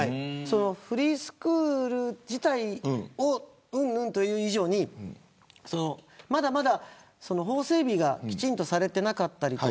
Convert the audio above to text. フリースクール自体をうんぬんという以上にまだまだ法整備がきちんとされていなかったり。